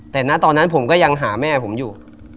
แต่ณตอนนั้นผมก็ยังหาแม่ผมอยู่